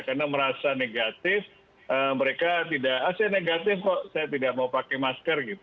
karena merasa negatif mereka tidak ah saya negatif kok saya tidak mau pakai masker gitu